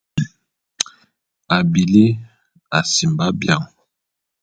Abili asimba bian.